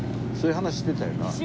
そういう話してたよな。